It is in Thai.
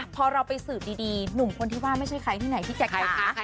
พอเราไปสืบดีหนุ่มคนที่ว่าไม่ใช่ใครที่ไหนพี่แจ๊คค่ะ